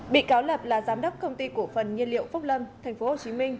bị cáo lập là giám đốc công ty cổ phần nhiên liệu phúc lâm tp hcm